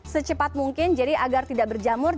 secepat mungkin jadi agar tidak berjamur